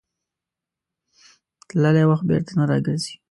تللی وخت بېرته نه راګرځي.